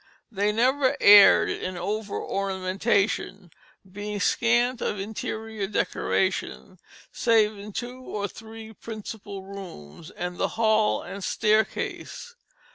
They never erred in over ornamentation, being scant of interior decoration, save in two or three principal rooms and the hall and staircase.